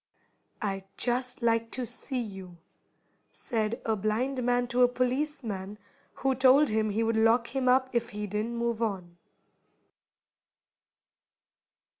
"I'd just like to see you," said a blind man to a policeman who told him he would lock him up if he didn't move on.